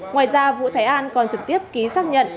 ngoài ra vũ thái an còn trực tiếp ký xác nhận